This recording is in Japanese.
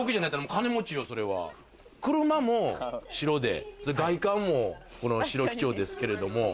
車も白で、外観も白基調ですけれども。